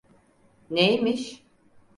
Neymiş?